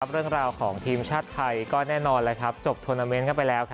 เรื่องราวของทีมชาติไทยก็แน่นอนจบทวนาเมนต์เข้าไปแล้ว